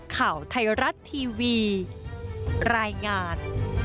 ข่าวไทยรัฐทีวีรายงาน